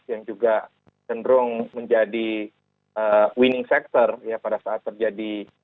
yang juga cenderung menjadi winning sector ya pada saat terjadi